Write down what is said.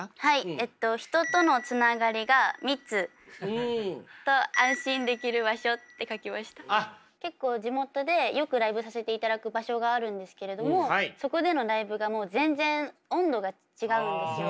えっと結構地元でよくライブさせていただく場所があるんですけれどもそこでのライブがもう全然温度が違うんですよ。